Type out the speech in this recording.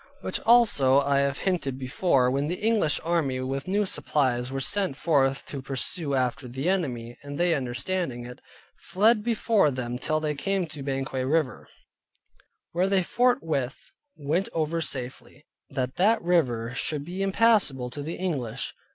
Which also I have hinted before, when the English army with new supplies were sent forth to pursue after the enemy, and they understanding it, fled before them till they came to Banquang river, where they forthwith went over safely; that that river should be impassable to the English.